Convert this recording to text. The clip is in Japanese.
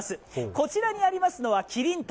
こちらにありますのは麒麟台。